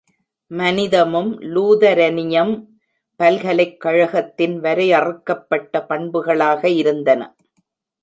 மனிதமும் லூதரனியம் பல்கலைக்கழகத்தின் வரையறுக்கப்பட்டப் பண்புகளாக இருந்தன.